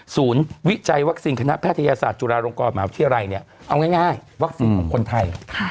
ศูนย์วิจัยวัคซีนคณะแพทยศาสตร์จุฬารงกรหมายที่อะไรเนี่ยเอาง่ายวัคซีนของคนไทย